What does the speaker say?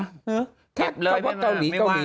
เหรอเก็บเลยไม่ว่าไม่ว่าได้